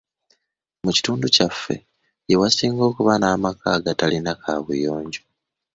Mu kitundu kyaffe ye wasinga okuba n'amaka agatalina kaabuyonjo.